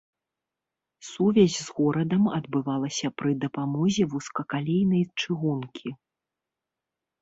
Сувязь з горадам адбывалася пры дапамозе вузкакалейнай чыгункі.